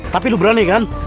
tapi lo berani kan